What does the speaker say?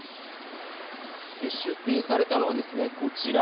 出品されたのはですね、こちら。